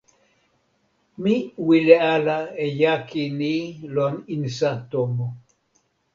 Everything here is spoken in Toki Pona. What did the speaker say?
mi wile ala e jaki ni lon insa tomo.